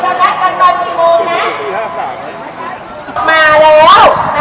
ได้เลยจากนั้นกี่โมงนะ